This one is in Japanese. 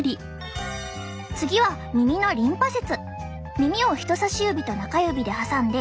次は耳のリンパ節。